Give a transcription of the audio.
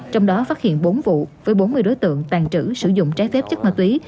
trong đó phát hiện bốn vụ với bốn mươi đối tượng tàn trữ sử dụng trái phép chất ma túy